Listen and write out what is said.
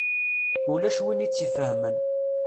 Ulac win i tt-ifehmen.